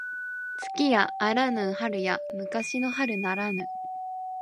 月やあらぬ春や昔の春ならぬ